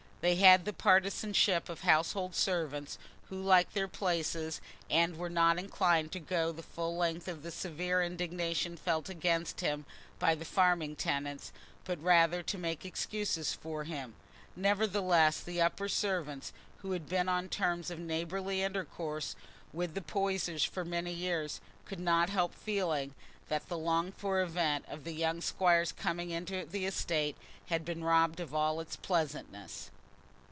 They had the partisanship of household servants who like their places, and were not inclined to go the full length of the severe indignation felt against him by the farming tenants, but rather to make excuses for him; nevertheless, the upper servants, who had been on terms of neighbourly intercourse with the Poysers for many years, could not help feeling that the longed for event of the young squire's coming into the estate had been robbed of all its pleasantness.